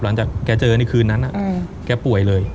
หลังจากแกเจอในคืนนั้นแกป่วยเลย